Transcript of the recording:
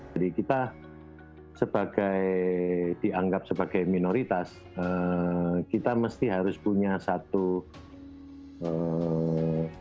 jadi kita sebagai dianggap sebagai minoritas kita mesti harus punya satu etos